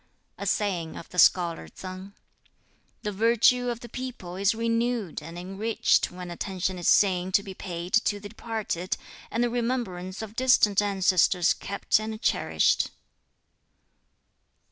A saying of the Scholar Tsang: "The virtue of the people is renewed and enriched when attention is seen to be paid to the departed, and the remembrance of distant ancestors kept and cherished."